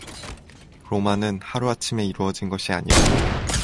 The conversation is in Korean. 로마는 하루아침에 이루어진 것이 아니다